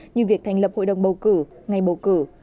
như việc thành lập hội đồng bầu cử ngày bầu cử